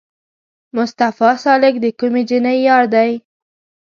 مصطفی سالک د کومې جینۍ یار دی؟